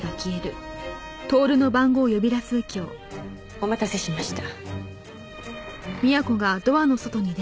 お待たせしました。